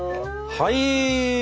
はい！